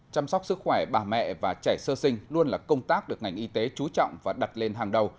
chăm sóc sức khỏe bà mẹ và trẻ sơ sinh luôn là công tác được ngành y tế trú trọng và đặt lên hàng đầu